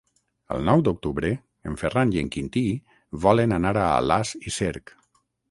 El nou d'octubre en Ferran i en Quintí volen anar a Alàs i Cerc.